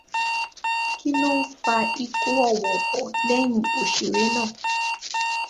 Kí ló ń fa ikú ọ̀wọọ̀wọ́ lẹ́yìn òṣèré náà?